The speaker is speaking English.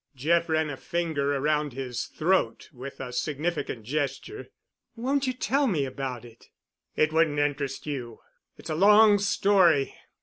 Jeff ran a finger around his throat with a significant gesture. "Won't you tell me about it?" "It wouldn't interest you. It's a long story.